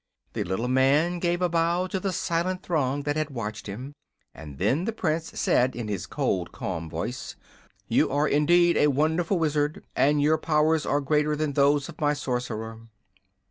The little man gave a bow to the silent throng that had watched him, and then the Prince said, in his cold, calm voice: "You are indeed a wonderful Wizard, and your powers are greater than those of my Sorcerer."